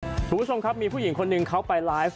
คุณผู้ชมครับมีผู้หญิงคนหนึ่งเขาไปไลฟ์